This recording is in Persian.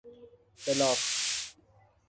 بلاغ